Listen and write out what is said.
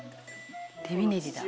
「手びねりだ」